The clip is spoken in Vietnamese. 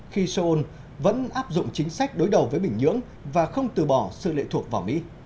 khi seoul vẫn áp dụng chính sách đối đầu với bình nhưỡng và không từ bỏ sự lệ thuộc vào mỹ